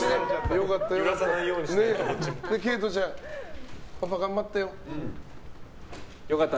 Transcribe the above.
良かった、良かった。